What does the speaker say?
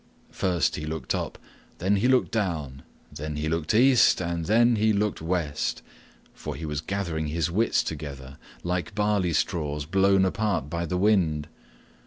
First he looked up, then he looked down, then he looked east, then he looked west, for he was gathering his wits together, like barley straws blown apart by the wind.